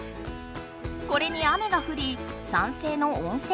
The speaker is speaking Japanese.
これに雨がふり酸性の温泉になる。